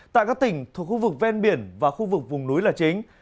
tại các tỉnh thuộc khu vực ven biển và khu vực vùng núi là chính